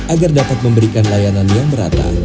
agar dapat memberikan layanan yang merata